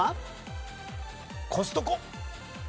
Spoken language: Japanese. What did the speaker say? コストコ。